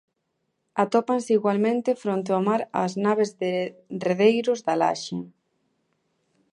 Atópanse igualmente fronte ao mar as naves de redeiros da Laxe.